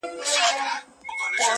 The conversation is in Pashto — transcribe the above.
o له حیا نه چي سر کښته وړې خجل سوې,